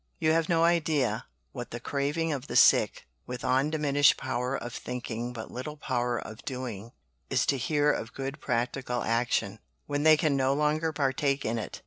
You have no idea what the craving of the sick, with undiminished power of thinking but little power of doing, is to hear of good practical action, when they can no longer partake in it."